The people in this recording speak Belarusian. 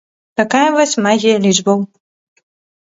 Такая вось магія лічбаў.